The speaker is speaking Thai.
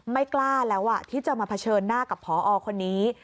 ไม่กล้าแล้วที่จะมาเผชิญหน้ากับพอคนนี้